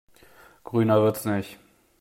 Grüner wird's nicht.